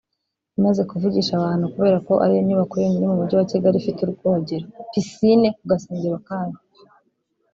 imaze kuvugisha abantu kubera ko ariyo nyubako yonyine mu mujyi wa Kigali ifite urwogero (Piscine)ku gasongero kayo